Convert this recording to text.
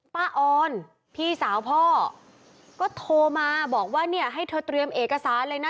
ออนพี่สาวพ่อก็โทรมาบอกว่าเนี่ยให้เธอเตรียมเอกสารเลยนะ